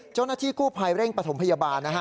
เจ้าหน้าที่กู้ภัยเร่งประถมพยาบาลนะฮะ